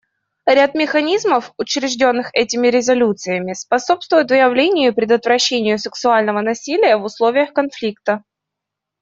Ряд механизмов, учрежденных этими резолюциями, способствует выявлению и предотвращению сексуального насилия в условиях конфликта.